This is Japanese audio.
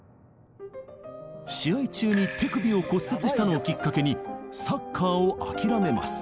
試合中に手首を骨折したのをきっかけにサッカーを諦めます。